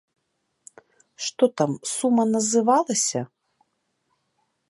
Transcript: Што там сума называлася?